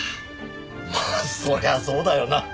まあそりゃそうだよな。